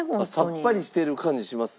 さっぱりしてる感じします？